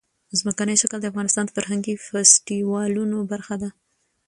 ځمکنی شکل د افغانستان د فرهنګي فستیوالونو برخه ده.